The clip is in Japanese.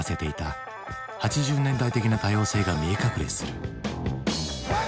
８０年代的な多様性が見え隠れする。